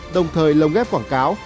đồng thời lồng ghép quảng cáo